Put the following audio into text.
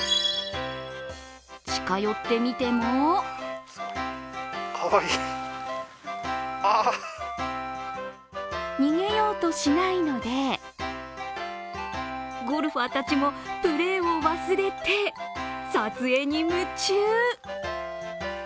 近寄ってみても逃げようとしないのでゴルファーたちもプレーを忘れて撮影に夢中。